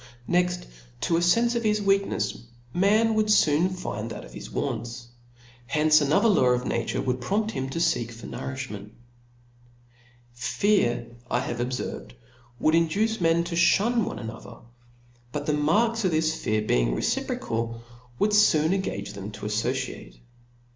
Next to a fenfe of hi$ weaknefs man would foon find that of his wants. Hence another law of na ture would prompt him to feek for nouriftiment. Fear, I have obferved, would induce men to ihun one another ; but the marks of this fear being reciprocal, would foon engage them to affociate.